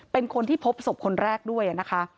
เป็นคนที่พบศพคนแรกด้วยนะคะ